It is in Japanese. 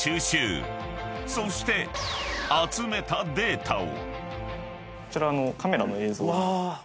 ［そして集めたデータを］